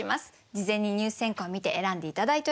事前に入選歌を見て選んで頂いております。